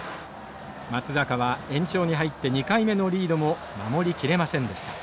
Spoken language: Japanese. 松坂は延長に入って２回目のリードも守りきれませんでした。